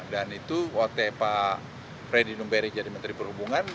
dan itu waktu pak freddy numberi jadi menteri perhubungan